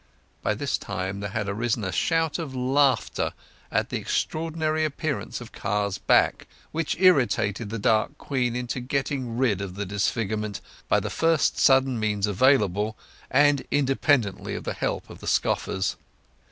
By this time there had arisen a shout of laughter at the extraordinary appearance of Car's back, which irritated the dark queen into getting rid of the disfigurement by the first sudden means available, and independently of the help of the scoffers.